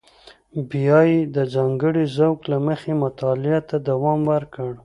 بیا یې د ځانګړي ذوق له مخې مطالعه ته دوام ورکړ.